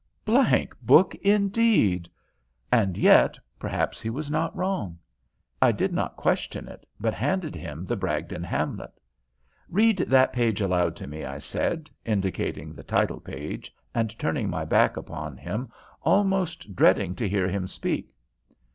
Blank book indeed! And yet, perhaps, he was not wrong. I did not question it, but handed him the Bragdon Hamlet. "Read that page aloud to me," I said, indicating the title page and turning my back upon him, almost dreading to hear him speak.